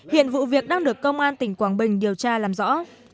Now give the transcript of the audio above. hiện vụ việc đang được công an tỉnh quảng bình điều tra làm rõ